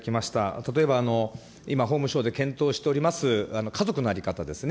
例えば今、法務省で検討しております家族の在り方ですね。